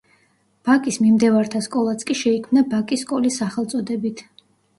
ბაკის მიმდევართა სკოლაც კი შეიქმნა „ბაკის სკოლის“ სახელწოდებით.